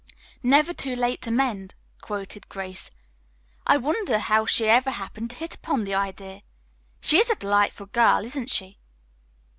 "'Never too late to mend,'" quoted Grace. "I wonder how she ever happened to hit upon the idea. She is a delightful girl, isn't she?"